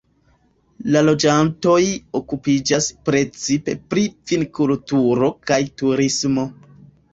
La loĝantoj okupiĝas precipe pri vinkulturo kaj turismo.